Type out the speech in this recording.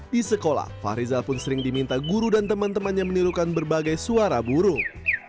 di sekolah fahrizal pun sering diminta guru dan teman temannya menirukan berbagai suara burung